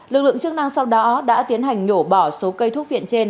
lực lượng chức năng sau đó đã tiến hành nhổ bỏ số cây thuốc viện trên